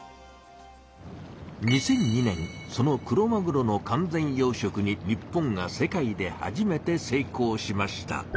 ２００２年そのクロマグロの完全養しょくに日本が世界で初めて成功しました。